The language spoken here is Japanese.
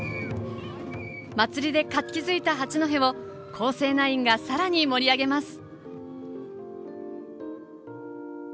祭りで活気づいた八戸を光星ナインがさらに盛り上げます。